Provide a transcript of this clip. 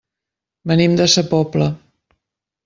Venim de sa Pobla.